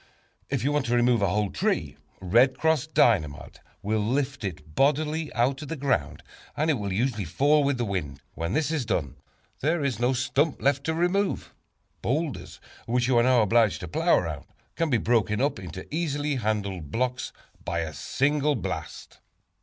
If you want to remove a whole tree, "Red Cross" Dynamite will lift it bodily out of the ground, and it will usually fall with the wind. When this is done, there is no stump left to remove. Boulders, which you are now obliged to plow around, can be broken up into easily handled blocks by a single blast.